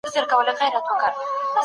ابن عباس د پیغمبر نژدي صحابي و.